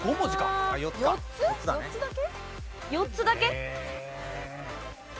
４つだけ？